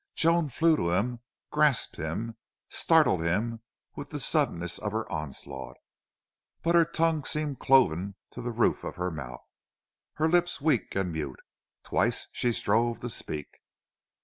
Joan flew to him, grasped him, startled him with the suddenness of her onslaught. But her tongue seemed cloven to the roof of her mouth, her lips weak and mute. Twice she strove to speak.